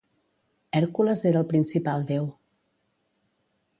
Hèrcules era el principal deu.